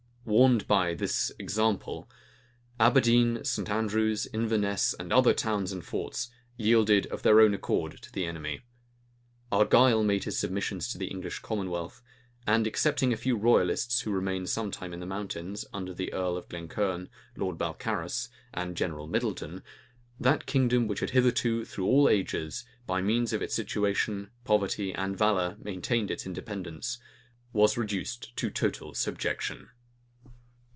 Warned by this example, Aberdeen, St. Andrew's, Inverness, and other towns and forts, yielded of their own accord to the enemy. Argyle made his submissions to the English commonwealth; and excepting a few royalists, who remained some time in the mountains, under the earl of Glencairn, Lord Balcarras, and General Middleton, that kingdom, which had hitherto, through all ages, by means of its situation, poverty, and valor, maintained its independence, was reduced to total subjection.